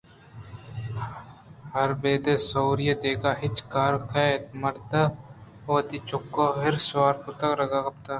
حر بیدے سواری ءَ دگہ چے کار ءَ کئیت؟ مرد ءَ وتی چُکّ حر ءَ سوار کُت ءُ رَہ گپت